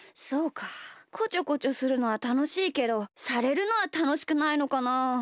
こちょこちょするのはたのしいけどされるのはたのしくないのかな。